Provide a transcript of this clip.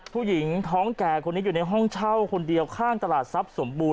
ผู้หญิงท้องแก่คนนี้อยู่ในห้องเช่าคนเดียวข้างตลาดทรัพย์สมบูรณ